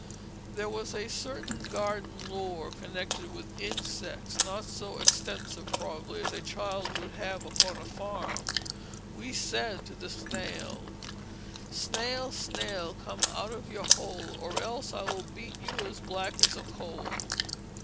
There was a certain garden lore connected with insects, not so extensive, probably, as a child would have upon a farm. We said to the snail: "Snail, snail, come out of your hole, Or else I will beat you as black as a coal."